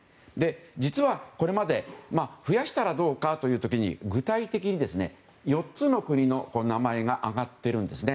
実は、これまで増やしたらどうかという時に具体的に、４つの国の名前が挙がっているんですね。